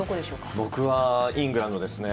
僕はイングランドです。